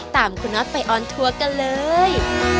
ตามคุณน็อตไปออนทัวร์กันเลย